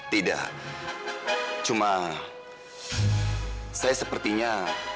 tidak cuma saya sepertinya